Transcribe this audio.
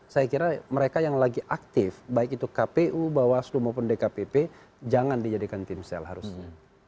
saya kira mereka yang lagi aktif baik itu kpu bawas lu maupun dkpp jangan dijadikan tim sel harusnya